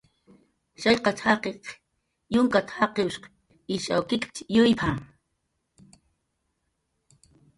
"Shallqat"" jaqiq yunkat"" jaqiwsh ishaw kikip""tx yuyp""a "